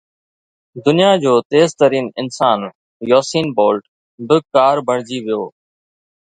دنيا جو تيز ترين انسان يوسين بولٽ به ڪار بڻجي ويو